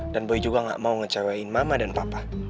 dan boy juga enggak mau ngecewain mama dan papa